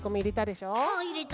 うんいれた。